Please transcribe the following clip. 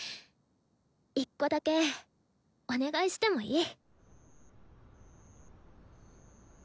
１個だけお願いしてもいい？